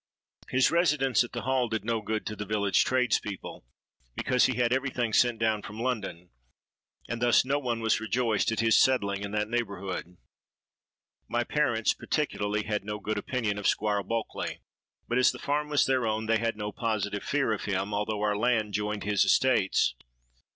His residence at the Hall did no good to the village tradespeople, because he had every thing sent down from London;—and thus no one was rejoiced at his settling in that neighbourhood. My parents, particularly, had no good opinion of Squire Bulkeley; but, as the farm was their own, they had no positive fear of him, although our land joined his estates.